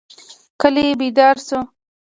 کلی بیدار شو.